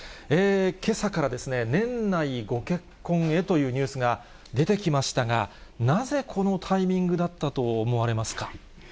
けさから年内ご結婚へというニュースが出てきましたが、なぜこのタイミングだったと思われますか。